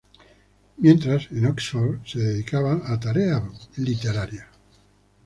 Mientras, en Oxford se dedicaba a tareas literarias.